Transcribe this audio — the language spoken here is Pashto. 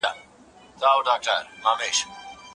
څوک چې عقل نه کاروي تاوان کوي.